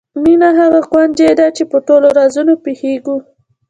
مینه هغه کونجي ده چې په ټولو رازونو پوهېږو.